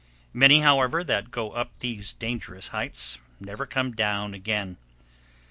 Many, however, that go up these dangerous heights never come down again.